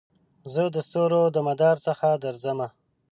زه دستورو دمدار څخه درځمه